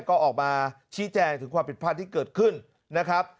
ก็ออกมาชี้แจงถึงความผิดพลาดที่เกิดขึ้นนะครับ